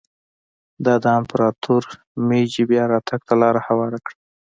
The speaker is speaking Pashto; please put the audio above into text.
دا د امپراتور مېجي بیا راتګ ته لار هواره کړه.